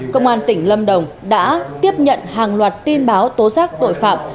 công an tỉnh lâm đồng đã tiếp nhận hàng loạt tin báo tố giác tội phạm